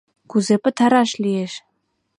Кузе пытараш лиеш?